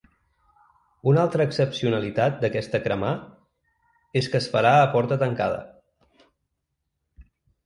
Una altra excepcionalitat d’aquesta cremà, és que es farà a porta tancada.